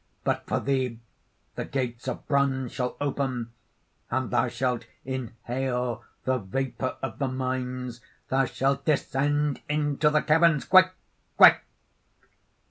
But for thee the gates of bronze shall open; and thou shalt inhale the vapour of the mines, thou shalt descend into the caverns.... Quick! quick!"